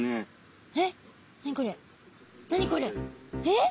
えっ！？